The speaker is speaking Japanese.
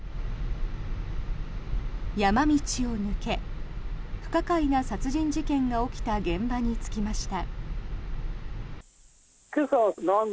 山道を抜け不可解な殺人事件が起きた現場に着きました。